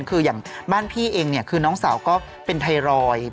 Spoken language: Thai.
คืออย่างบ้านพี่เองเนี่ยคือน้องสาวก็เป็นไทรอยด์